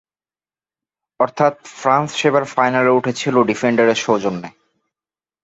অর্থাৎ, ফ্রান্স সেবার ফাইনালে উঠেছিল ডিফেন্ডারের সৌজন্যে।